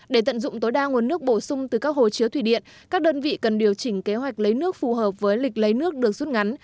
để tận dụng tối đa nguồn nước bổ sung từ các hồ chứa thủy điện các đơn vị cần điều chỉnh kế hoạch lấy nước phù hợp với lịch lấy nước được rút ngắn